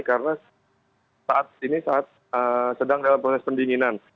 karena saat ini sedang dalam proses pendinginan